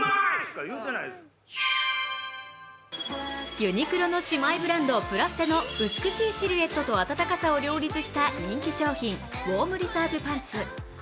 ユニクロの姉妹ブランド・プラステの美しいシルエットと暖かさを両立した人気商品、ウォームリザーブパンツ。